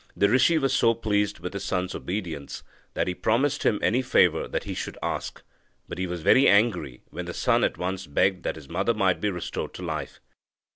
The rishi was so pleased with his son's obedience that he promised him any favour that he should ask, but he was very angry when the son at once begged that his mother might be restored to life.